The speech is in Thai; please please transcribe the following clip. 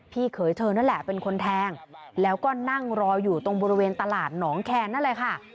เขยเธอนั่นแหละเป็นคนแทงแล้วก็นั่งรออยู่ตรงบริเวณตลาดหนองแคนนั่นแหละค่ะ